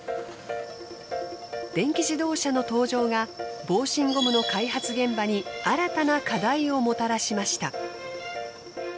電気自動車の登場が防振ゴムの開発現場に新たな課題をもたらしました。